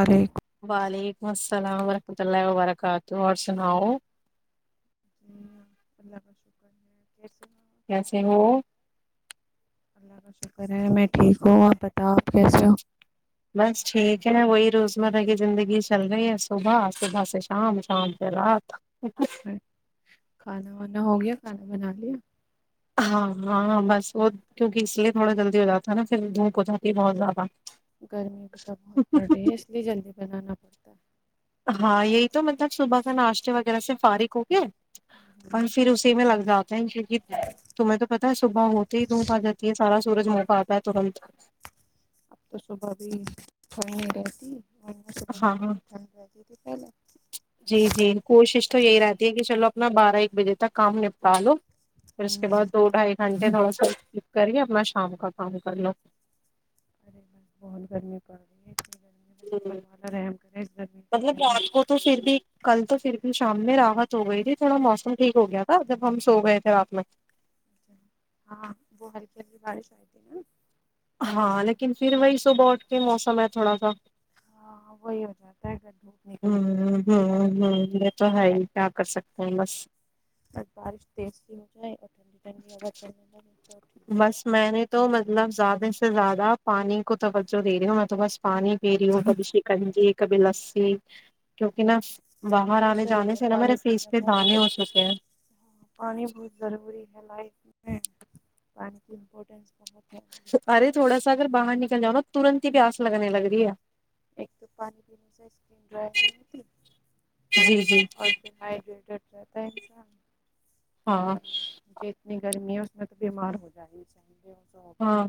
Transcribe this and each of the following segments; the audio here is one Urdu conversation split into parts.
ارے [inaudible] وعلیکم السلام وورحمۃ اللہ وبرکاتہ اور سناؤ [unintelligible] جی اللہ کا شکر نے کیسے [inaudible] کیسے ہو [inaudible] اللہ کا شکر ہے میں ٹھیک ہوں آپ بتاؤ آپ کیسے ہو [unintelligible] بس ٹھیک ہے وہی روزمرہ کی زندگی چل رہی ہے صبح صبح سے شام شام سے رات [unintelligible] کھانا وانا ہو گیا کھانا بنا لیا [unintelligible] ہاں ہاں ہاں بس وہ کیونکہ اس لیے تھوڑا جلدی ہو جاتا ہے نا پھر دھوپ ہو جاتی ہے بہت زیادہ [unintelligible] گرمی بھی تو بہت بڑ رہی ہے اس لیے جلدی بنانا پڑتا [unintelligible] تو [inaudible] ہاں یہی تو مطلب صبح سے ناشتے وغیرہ سے فارغ ہو کے ہے اور پھر اسی میں لگ جاتے ہیں کیونکہ تمہیں تو پتاہ ہے صبح ہوتے ہی دھوپ آ جاتی ہے سارا سورج منہ پ آتا ہے ترنت [unintelligible] اب تو صبح بھی یں نہیں رہتی [unintelligible] صبح ہاں صبح ہاں میں ٹھنڈ رہی [inaudible] ھ [inaudible] جی جی کوشش تو یہی رہتی ہے کہ چلو اپنا بارہ ایک بجے تک کام نپٹا لو [unintelligible] پھر اس کے بع ہوں دو ڈھائی گھنٹے تھوڑا سا [unintelligible] کرے اپنا شام کا کام کر لوں [unintelligible] ارے بس بہت گرمی پا رہی ہے [unintelligible] اپ گننے میں سپر مالر اہم کرے گ [inaudible] مطلب رات کو تو پھر بھی [unintelligible] کل تو پھر بھی شام میں راحت ہو گئی تھی تھوڑا موسم ٹھیک ہو گیا تھا جب ہم سو گئے تھے رات میں ہاں وہ ہلکی ہلکی بارش آتی ہاں لیکن پھر وہی صبح اٹھ کے موسم ہے تھوڑا سا ہاں وہی ہو جاتا ہے اگر دھوپ ہ نکلنے کے بعد ہ کتنا بھی ہ یہ تو ہے بارش ہی کیا کر سکتے ہ بس بس بارش تیز سی ہو جائے اور ٹھنڈی ٹھنڈی ہوا چلنے لگے تو ٹھیک ہے بس میں نے تو مطلب زیادہ سے زیادہ زدہ پانی کو توجہ دے رہی ہوں میں تو بس پانی پی رہی ہوں کبھی شکنجی کبھی لسی کیونکہ نا باہر ب آنے صحیح جانے ہے سے نا میرے پانی فیس پینا پہ بہت دانے ہو چکے ہیں پانی بہت ضروری ہے لائٹ پانی کی امپورٹینس بہت ہے ارے تھوڑا سا اگر باہر نکل جاؤ نا ترنت ہی پیاس لگنے لگ رہی ہے ایک تو پانی پینے سے اسکن ڈرائی نہیں ہوتی ہے جی جی اور پھر ہڈری [unintelligible] رہتاس [inaudible] ہاں ج اتنی گرمی ہے نہت بیمار ہو جائے ہی چاہیے ہاں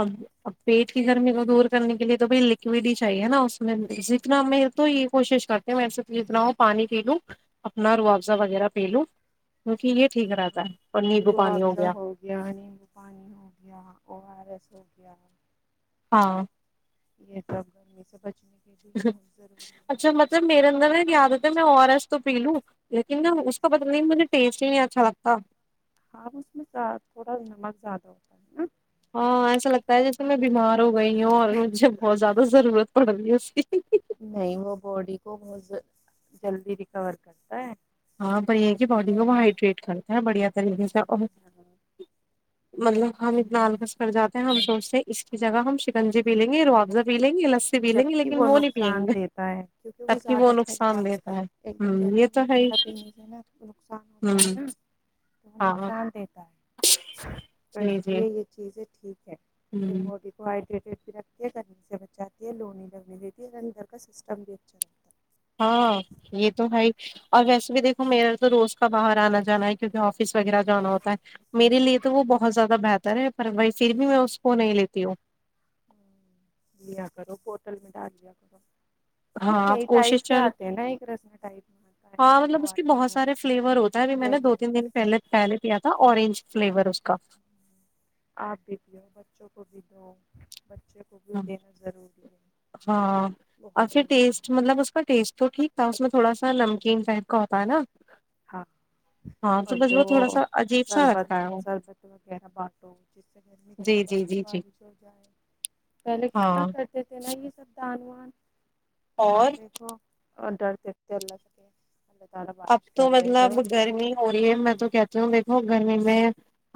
اب اب پیٹ کی گرمی کو دور کرنے لی تو بائی لکوڈ ہی چاہیے نا اس میں جتنا لیکن میں تو ہی کوشش کرتے ہ ویسے تو جتنا ہو پانی پی لوں اپنا روح افزہ وغیرہ پی لوں کیونکہ اچ یہ ٹھیک رہتا ہے اور تو نیبو وہ پانی افزہ ہو گیا نبو پانی ہوگیا ہو گیا او آر ایس ہو گیا ہاں یہ سب گرمی سے ب اچھا مطلب میرے اندر ن یادتا ہے میں اور ایس تو پی لوں لیکن ہے اس کا پت نہیں مجھے ٹیسٹ ہی نہیں آتا چھڑتا [unintelligible] ہاں اس میں تھوڑا نمک زیادہ ہوتا ہے نا ہاں ایسا لگتا ہے جیسے میں بیمار ہو گئی ہوں اور مجھے بہت زیادہ ضرورت پڑ رہی ہے اس کی نہیں وہ باڈی کو بہت جلدی ریکور کرتا ہے ہاں ب یہ ہے کہ باڈی کو وہ ہائڈریٹ کرتے ہ بڑھیا طریقے بہت سے اور جلدی ہاں مطلب ہم اتنا عالکس پر جاتے ہیں ہم سوچتے ہیں اس کی جگہ ہم شکنجے بھی لیںے رواوزہ بھی لیں گے لسی پی لیں گے جبک لیکن وہ نہیں پیئیں نقصان گے دیتا ہے کیونکہ تبک زیادہ وہ ٹھنڈا نقصان دیتا ہے ہ یہ تو ہے ہی پنے سے نا نقصان ہوتا ہے ہوں نا تو وہ ہاں نقصان دیتا ہے تو جی اس جی لیے یہ چیز جی ٹھیک یہ ہوں باڈی کو ہائڈریٹیڈ پرقے کرنے سے بچات لوون ہی لگنے دیتی ہے اندھر کا سسٹم بھی اچھا رہتا ہے ہاں یہ تو ہےائی اور ویسے بھی دیکھو میرا تو روز کا باہر آنا جانا ہے کیونکہ آفس وغیرہ جانا ہوتا ہے میرے لیے تو وہ بہت زیادہ بہتر ہے پر وہائی پھر بھی میں اس کو نہیں لیتی ہوں ہے لیا کرو بوتل مٹا لیا کرو نا ہاں کئی کوشش ٹائپ کے چل آتے ہیں نا ایک رسنا ٹائپ میں آتا ہے ہاں ایک مطلب او اس آر کے ایس بہت میں سارے فلیور ہوتا ہے ابھی میں نے فلیور دو تین ہوتا ہے، دن پہلے پہلے پیا آنج فلیور اس کا آپ بھی پو بچوں کو بھی دو بچے کو ہ بھی دینا ضروری ہے ہاں اور بہت پھر گرمی ٹیسٹ ہے مطلب اس کا ٹیسٹ تو ٹھیک تھا اس میں تھوڑا سا نمکین فہد کا ہوتا ہے نا ہاں ہاں تو اور بس جو وہ تھوڑا سا عجیب سا شربت لگتا ہے وہ شربت وغیرہ بانٹو جس سے گرمی کم جی جی پڑے جی جی بارش ہو جائے ہاں تھے نا یہ سب بگوان اور ادے کو آڈر کرتے اللہ سگ ال سارا اب بارش تو کر دے جب مطلب ہم گرمی ہو رہی ہے میں تو کہتی ہوں دیکھو گ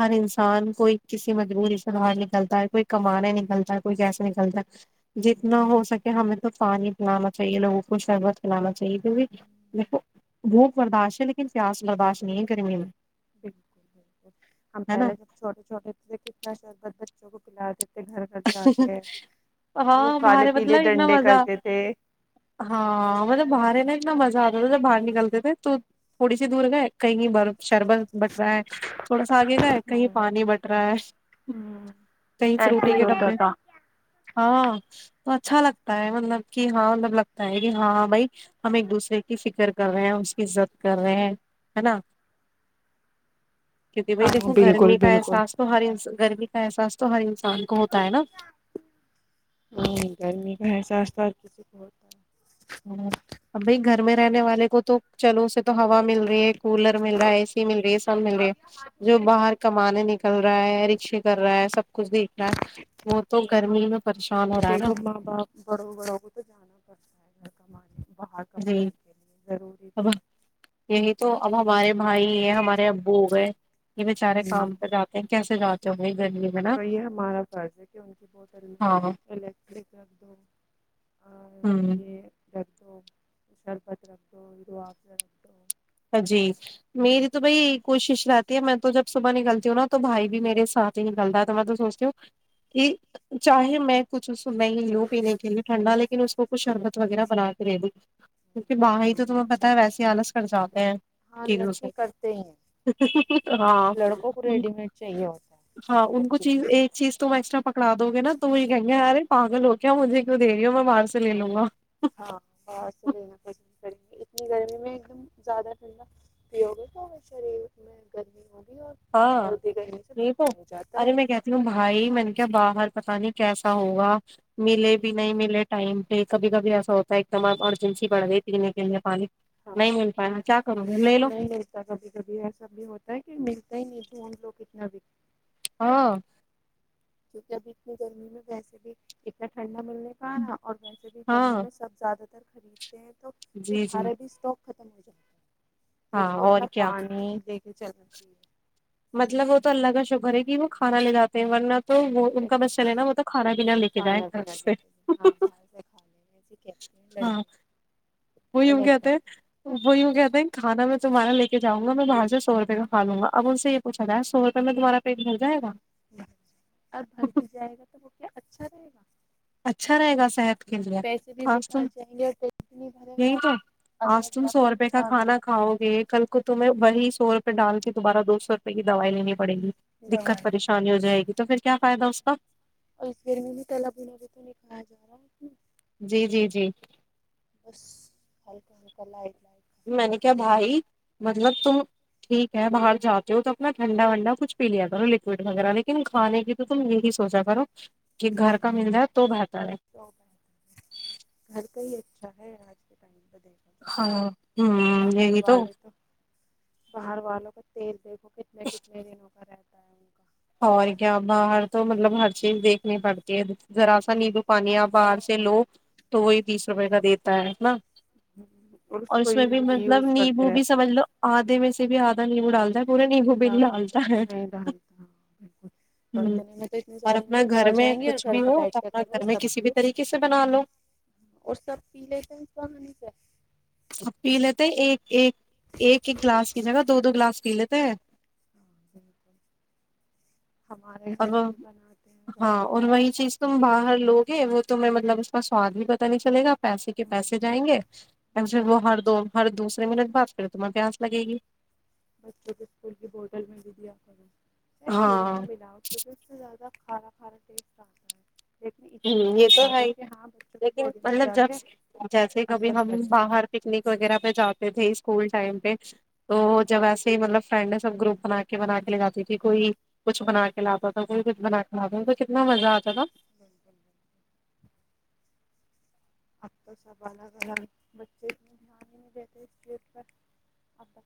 ہر انسان کوئی کسی مجبوری سے باہر نکلتا ہے کوئی کمانے نکلتا ہے کوئی کیسے نکلتا ہے جتنا ہو سکے ہمیں تو پانی پلانا چاہیے لوگوں کو شربت پلانا چاہیے کیکہ دیک بھوک برداشت ہے لیکن سیاس بردشت نہیں ہے کریں گی میں بالکل بالکل ہم ہے نا پہلے جب چھوٹے چھوٹے کتنا شب ب چک کلا وہ ہاں کالے برے پیلے مطلب انا ڈنڈے مزہ کرتے تھے ہاں مطلب برے میں اتنا مزہ آتا جب باہر نکلتے تھے تو تھوڑی سی دور گئے کہیں برف شربت بٹ رہا ہے تھوڑا سا آگے کا ہے کہیں ہوں پانی بٹ رہا ہے کہیں فروٹ ایسے ہی ہوتا ٹیکٹبے تھا ہاں تو اچھا لگتا ہے مطلب کہ ہاں مطلب لگتا ہے کہ ہاں بھائی ہم ایک دوسرے کی فکر کر رہے ہیں اس کی عزت کر رہے ہیں ہے نا کیتی بھ ہاں دیکو بالکل گرمی کا بالکل احساس تو ہرسان گرمی کا احساس تو ہر انسان ہوتا ہے نا نہیں گرمی کا احساسہ کسی کو ہوتا ہے ہ اب بھائی گھر میں رہنے والے کو تو چلو اسے تو ہوا مل رہی ہے کولر مل رہا ہے اے سی مل رہی ہے سب مل رہی ہے جو باہر کمانے ن چل رہا ہے رکشے کر رہا ہے سب کچھ دیکھ رہا ہے وہ تو گرمی میں پریشان ہو رہا ہے نا دیکھو ماں باپ بڑوں بڑوں کو تو جانا پڑتا ہے گھر کمانے باہر جی کمانے کے لیے ضروری بھی اب یہی تو اب ہمارے بھائی ہیں ہمارے ابو ہو گئے یہ بچارے ہے ہوں کام پہ جاتے ہیں کیسے جا چ ہوی تو یہ ہمارا فرض ہے کہ ان کی بوٹل میں ہاں نا الیکٹرک درد ہو اور ہوں یہ درد شربت رم دوو آفظ ر دو جی میری تو بھائی کوشش رہ میں تو جب صبح نکلتی ہوں نا تو بھائی بھی میرے سات ہی نکلتا ہے تو میں تو سوچتی ہوں چاہے میں کچھ میں ہی لو پینے کےے ٹھنڈا لیکن اس کو کھ شربت وغیرہ بناات کرڈ کیکہ باہاں ہی بالکل تو تمہیں دینا پتتا چاہیے ہے ویسی آلس سزات ہاں چزوں سے لڑکے کرتے ہی ہیں ہاں لڑکوں کو ریڈی میڈ چاہیے ہوتا ہے ہاں ان کو چیز ایک چیز تو ایکسٹرا پکڑا دو گے نا تو وہ یہ کہیں گے ہارے پاگل ہو کیا مجھے ایک دےریی ہو میں باہر سے لے لوں گا ہاں نی گرمی میں ایک دم زیادہ ٹھنڈا پیو گے تو شریر میں گرمی ہو اور ہاں سردی گرمی سے نہیں تو بخار جاتا ہے ارے میں کہتی ہوں بھائی میں نے کیا باہر پت نہیں کیسا ہوگا ملے بھی نہیں ملے ٹائم کبھی کبھی ایسا ہوتا ہے ایک دم ایمرجنسی بڑھ گئی پینے کے لیے پانی ہاں نہیں مل پایا کیا کروں گا لے لو نہیں ملتا کبھی کبھی ایسا بھی ہوتا ہے کہ مل کہ نہیں ت ان لو کتنا بھی ہاں کیکہ اب اتنی گرمی میں ویسے بھی اتنا ٹھنڈا ملنے کاا اور ویسے بھی گرمی ہاں میں سب زیادہ ر خریدتے ہیں تو پھر جی جی باہر بھی اسٹاک ختم ہو جاتا ہے تو ہاں اس لیے اور اپنا کیا پانی ل یہ چلنا چیے مطلب وہ تو اللہ کا شکر ہے کہ وہ کھانا لے جے ہیں ورنہ تو وہ ان چاہیے کا بس چلے نا وہ تو کھانا پین لے کے جائے کھانا طرف پینا لے سے کے ہاں باہر سے کھانے سے کہتے ہیں ہاں لڑکے وہ یوں غلط کہتے بات وہ یوں کہتے ہیں کھا میں تمہارا لے جاؤں گا میں باہ سے سو روپئے کا کھا ل گ ا انن سے یہ پچھ تھا سوپئے میں تمہ پیٹ بھر جائےا اور بھر بھی جائے گا تو وہ کیا اچھا رہے گا اچھا رہے گا صحت کے لیے پیسے بھی آج بیکار تم جائیں گے اور پیٹ بھی نہیں بھرے گا یہی اور تو اندر آج تم جا کے سو روپے کا نقصان کھانا کھاؤ گے کل کو تمہیں وہی سو روپئے ڈال تے دوبارہ دو سو روپے کی دوائی لینے تھی پڑے گی دوا دقت پریشانی ہو جائے گی تو پھر کیا فائدہ اس کا اور پ میں تلا پلا بھی تو نکھایا جا رہا ہے جی جی جی بس ہلکا ہلکا لائ لائ میں نے کیا بھائی مطلب تم ٹھیک ہے باہر جاتے ہو تو اپنا ٹھنڈا ونڈا کچھ پی لیا کرو لکوڈ وغیرہ لیکن کھانے کی تو تم یہی سوچا کرو کہ گھر کا مل رہا ہے تو بہتر ہے تو سے آج کے پہ دیکھا ہاں جائے ہ باہر یہ تو والے باہر والوں کا تیل د وہ کتنے کتنے دنوں کا رہ [inaudible] اور کیا باہر تو مطلب ہر چیز دیکھنی پڑتی ہے ذرا سا نیبو پانی آپ باہر سے لو تو وہی تیس روپے کا دیتا ہے ہے نا اور کو اس میں ہی بھی ری مطلب یوز نیبو کرتے بھی رہتے سمجھ ہیں لو آدھے میں ک بھی آد نہیں ا ڈال د پورا نہیں ہوب ڈالتا ہے نہیں ڈالتا ہوں اور ہ اتنے میں تو اتنے اور سارے اپنا نیمبو گھر آ میں جائیں گے اور کچھ گھر بھی میں ہو بیٹھ تو کے اپنا کرو گھر میں سب کسی بھی پیو طریقے سے بنا لو اور سب پی لیتے ہیں ہانی [inaudible] اب پی لیتے ایک ایک ایک ایک گلاس کی جگہ دو دو گلاس پی لیتے ہیں ہاں بالکل ہمارے اور گھر وہ میں بھی بناتے ہیں زیادہ ہاں اور تر یہی وہی چیز تم باہر لوگ ہیں وہ تو میں مطلب اس کا سواد بھی پتا نہیں چل گا پیسے کے پیسے ہمم جائیں گے پھر بالکل وہ ہر دو ہر دوسرے کتنے منٹ بعد کریں تمہ پ آس لگے گی بچوں کے اسکول کی بوتل میں بھی دیا کر پورا ہاں نہ ملاؤ کیونکہ اس سے زیادہ کھانا کھانا ٹیسٹ آتا ہے لیکن ہ اتنا یہ تو ملا ہے دو کہ ہاں بچوں کی لیکن باڈی میں مطلب جا کے جب جیسے کبھی اثر ہم کرے باہر پکنک وغیرہ پہ جاتے تھے اسکول ٹائم تو جب ایسے ہی مطلب فرینڈ ہے سب گروپ بنا کے بنا کے لے جاتی تھی کوئی کچھ بنا کے لا تو کوئی ہاں بنا ک لا کتنا مزہ آتا تھا بالکل بالکل اب تو سب الگ الگ بچے ا دھیان ہی نہیں دیتے اس ا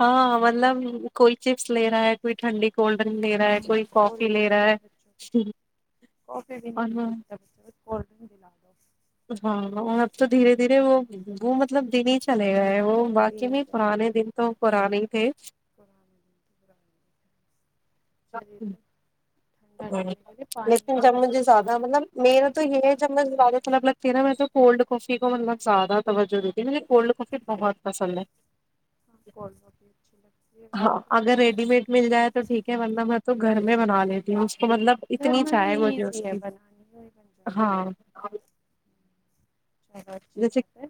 ہاں مطلب کوئی چپس لے رہا ہے کوئی ٹنڈی کو [unintelligible] کولڈ ڈرنک لے رہا ہے کوئی کولڈ کافی لے ڈرنک رہا چاہیے بچوں کو ہے کافی بھی نہیں اور ہ پیتے [unintelligible] اتنا بچوں کو کولڈ ڈرنک دلاا دو [unintelligible] ہاں بچوں کو اور اب تو دھیرے دھیرے وہ [unintelligible] وہ مطلب دن ہی چلے گئے وہ واقی دینی میں چاہیے پرانے دن تو پرانے ہی تھے [unintelligible] چری تو [unintelligible] لیکن جب مجھے رہا ہے زیادہ مطلب میرا تو یہ ہے جب میں زیادہ [unintelligible] مطلب لگتی ہے نا میں تو کولڈ کافی کو مطلب زیادہ توجہ دیتی ہ مجھے کولڈ کافی بہت پسند ہے ہاں کولڈ کافی اچھی لگتی ہے [unintelligible] ویسے ہاں تو اگر سر ریڈی میڈ مل جائے تو ٹھیک ہے وردہ مت تو گھر میں بنا کہتے [unintelligible] ج [unintelligible] مطلب گھر اتنی میں بھی چائے مجھے اس ایزی ہے کی بنانی وہی بن جاتی ہاں ہے [unintelligible] چلو اچھی جیسے بات ہے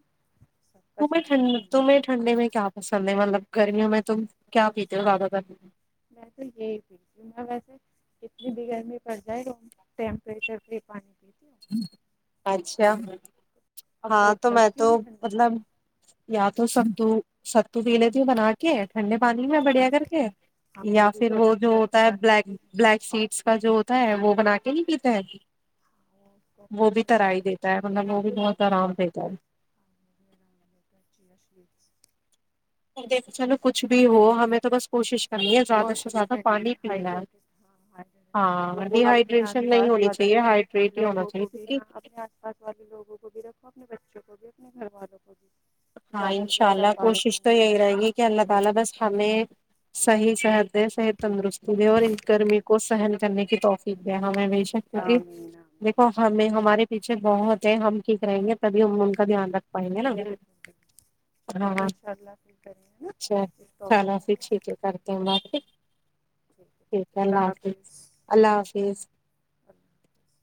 سب کا تمیں شریر ھن ٹھنڈا تمہیں رہے ٹھنڈے میں کیا پسند [unintelligible] سنندے مطلب گرمیوں میں تم کیا پیتے ہو زیادہ گرمی میں تو یہی پوچ ہوں میں ویسے کتنی بھی گرمی پڑ جائے گا ہوں ٹیمپریچر پانی [unintelligible] اچھا ہاں اوائڈ تو میں کرتی تو ہوں ٹھنڈا مطلب پانی یا تو سک دوں [unintelligible] ستو ولتی بنا کے [unintelligible] ٹھنڈے ہاں پانی میں ہاں بڑھیا کر کے ہاں یا بھی پھر بہت وہ جو اچھا ہوتا ہے بلیک بلیک سیڈس کا جو ہوتا ہے [unintelligible] ہے وہ بنا کے نہیں پیتا ہے [inaudible] ہاں وہ اس کو وہ بھی کہتے تر ہیں ہی دیتا ہے مطلب وہ بھی [unintelligible] ہاں بہت آرام ہاں سے گل [inaudible] ش [inaudible] یک چلو کچھ بھی ہو ہمیں تو بس کوشش [unintelligible] زیادہ سے کوشش زیادہ کرنی ہے پانی پینا ہے ہڈریڈ ہاں ہڈ ہاں ڈی اپنے آس ہائیڈریشن نہیں پاس ہونی والے چاہیے ہائیڈریٹ ہی ہونا لوگوں چاہیے کو بھی کیونکہ ہاں اپنے آس پاس والے لوگوں کو بھی رکھو اپنے بچوں کو [unintelligible] تو بھیتنے کرھروا دو [inaudible] پینے کی، [unintelligible] صحیح سحد ہے صح [unintelligible] تندرستی دے اور اس گرمی کو سہن کرنے کی [unintelligible] فی د ہمیں ہمیشک ہاں کیک دیکھو ہمیں ہم [unintelligible] ہمارے پیچھے بہت ہے ہم ٹھ رہیں گے [unintelligible] تبھی ہم ان کا دھیان رکھ پائیں گے ن بالکل [unintelligible] چلیں ہاں ان شاء اللہ پھر کریں گے نا اچھا اس ٹاپک چلو پہ پھر چلیے ٹھیک ہے کرتے ہ بپ ٹھیک ہے اللہ حافظ اللہ حافظ اللہ [unintelligible] حافظ